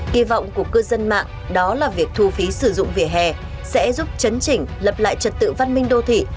kỳ vọng của cư dân mạng đó là việc thu phí sử dụng vỉa hè sẽ giúp chấn chỉnh lập lại trật tự văn minh đô thị